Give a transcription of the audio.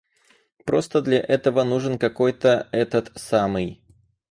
Просто для этого нужен какой-то этот самый.